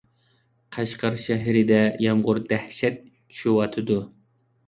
قەشقەر شەھىرىدە يامغۇر دەھشەت چۈشۈۋاتىدۇ.